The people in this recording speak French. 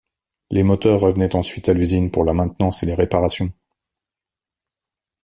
Les moteurs revenaient ensuite à l'usine pour la maintenance et les réparations.